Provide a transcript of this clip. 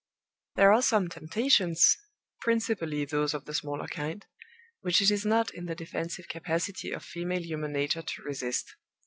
There are some temptations principally those of the smaller kind which it is not in the defensive capacity of female human nature to resist.